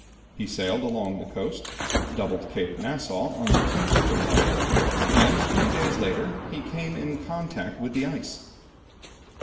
He sailed along the coast, doubled Cape Nassau on the 10th of July, and three days later he came in contact with the ice.